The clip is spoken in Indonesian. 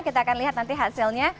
kita akan lihat nanti hasilnya